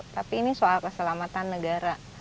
tapi ini soal keselamatan negara